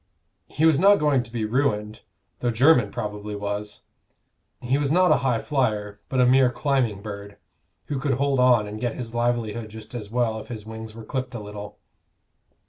He was not going to be ruined, though Jermyn probably was: he was not a high flyer, but a mere climbing bird, who could hold on and get his livelihood just as well if his wings were clipped a little.